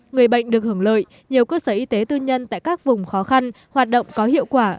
người bệnh được hưởng lợi nhiều cơ sở y tế tư nhân tại các vùng khó khăn hoạt động có hiệu quả